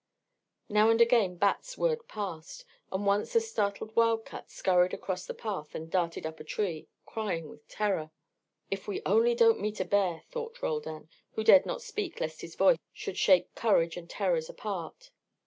Now and again bats whirred past, and once a startled wildcat scurried across the path and darted up a tree, crying with terror. "If we only don't meet a bear," thought Roldan, who dared not speak lest his voice should shake courage and terrors apart.